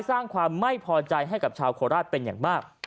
สร้างความไม่พอใจให้กับชาวโคราชเป็นอย่างมาก